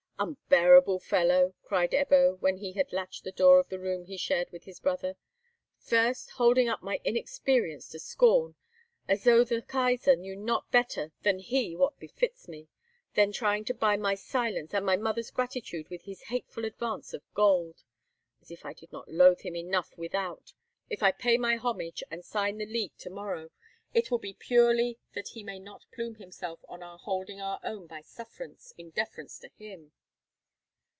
"Unbearable fellow!" cried Ebbo, when he had latched the door of the room he shared with his brother. "First, holding up my inexperience to scorn! As though the Kaisar knew not better than he what befits me! Then trying to buy my silence and my mother's gratitude with his hateful advance of gold. As if I did not loathe him enough without! If I pay my homage, and sign the League to morrow, it will be purely that he may not plume himself on our holding our own by sufferance, in deference to him."